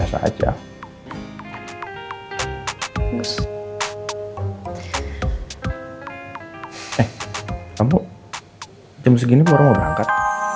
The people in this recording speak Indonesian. kamu jam segini pun orang mau berangkat